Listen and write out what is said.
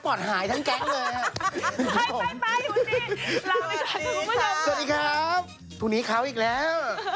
พรุ่งนี้คราวอีกแล้ว